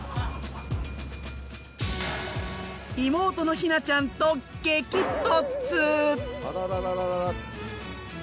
妹のひなちゃんと激突！